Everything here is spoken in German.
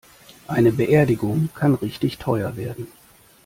Eine Beerdigung kann richtig teuer werden.